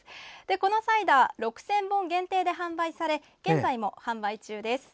このサイダーは６０００本限定で販売され、現在も販売中です。